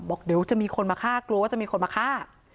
บอกเดี๋ยวจะมีคนมาฆ่ากลัวว่าจะมีคนมาฆ่า